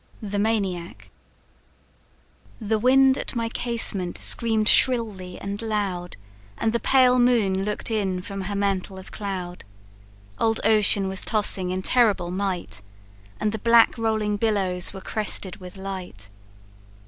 The Maniac. "The wind at my casement scream'd shrilly and loud, And the pale moon look'd in from her mantle of cloud; Old ocean was tossing in terrible might, And the black rolling billows were crested with light.